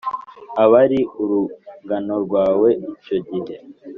abari urungano rwawe icyo gihe